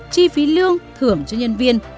chi phí lương thưởng cho nhân viên